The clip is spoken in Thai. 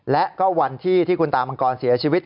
และก็วันที่คุณตามังกรเสียชีวิต